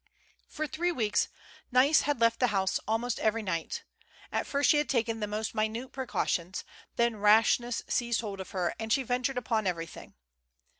For three weeks Nais had left the house almost every night. At first she had taken the most minute precau tions, then rashness seized hold of her, and she ventured upon everything.